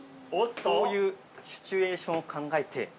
◆そういうシチュエーションを考えて。